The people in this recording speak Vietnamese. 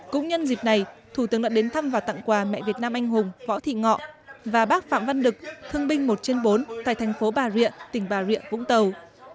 cũng nhân dịp này thủ tướng đã đến thăm và tặng quà mẹ việt nam anh hùng võ thị ngọ và bác phạm văn đực thương binh một trên bốn tại thành phố bà rịa tỉnh bà rịa vũng tàu